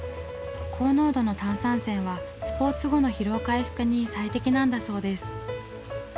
高濃度の炭酸泉はスポーツ後の疲労回復に最適なんだそうです。